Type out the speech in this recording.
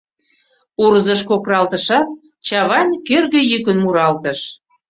Урзыш кокыралтышат, Чавайн кӧргӧ йӱкын муралтыш.